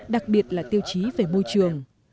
đặc biệt là tiêu chí về môi trường